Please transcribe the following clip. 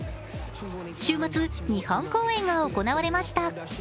週末、日本公演が行われました。